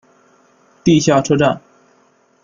地下车站。